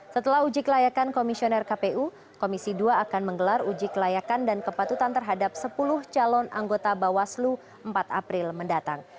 setelah uji kelayakan komisioner kpu komisi dua akan menggelar uji kelayakan dan kepatutan terhadap sepuluh calon anggota bawaslu empat april mendatang